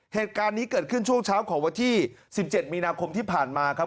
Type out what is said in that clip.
เหตุการณ์นี้เกิดขึ้นช่วงเช้าของวันที่๑๗มีนาคมที่ผ่านมาครับ